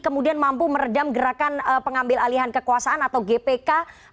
kemudian mampu meredam gerakan pengambil alihan kekuasaan atau gpk